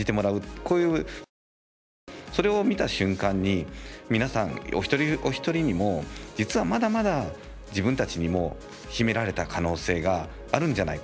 こういうポイントとそれを見た瞬間に皆さん、お一人お一人にも実はまだまだ自分たちにも秘められた可能性があるんじゃないか。